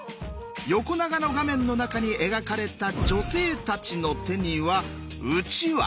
横長の画面の中に描かれた女性たちの手にはうちわ。